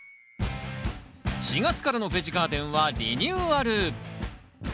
４月からの「ベジガーデン」はリニューアル！